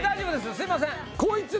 すいません